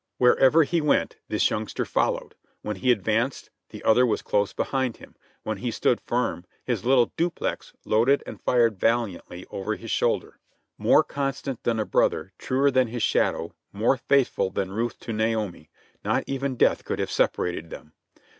Wherever he went this youngster followed. When he advanced, the other was close behind him. When he stood firm, his little "Duplex" loaded and fired valiantly over his shoulder. More constant than a brother, truer than his shadow, more faithful than Ruth to Naomi, not even death could have separated them.